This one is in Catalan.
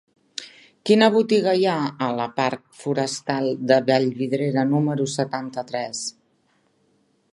Quina botiga hi ha a la parc Forestal de Vallvidrera número setanta-tres?